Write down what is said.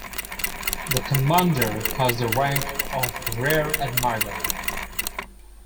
The commander has the rank of rear admiral.